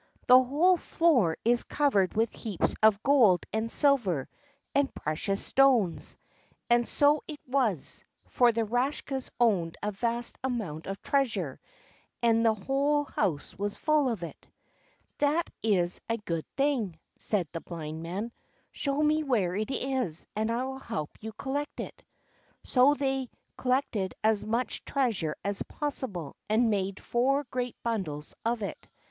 The whole floor is covered with heaps of gold and silver and precious stones." And so it was, for the Rakshas owned a vast amount of treasure, and the whole house was full of it. "That is a good thing," said the Blind Man. "Show me where it is and I will help you to collect it." So they collected as much treasure as possible and made four great bundles of it.